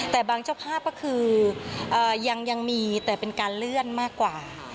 แต่บางเจ้าภาพก็คือยังมีแต่เป็นการเลื่อนมากกว่า